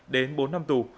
đến bốn năm tù